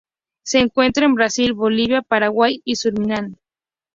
Se encuentra en Brasil, Bolivia, Paraguay y Surinam.